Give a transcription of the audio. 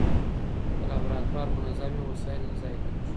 که لابراتوار منظم وي، وسایل نه ضایع کېږي.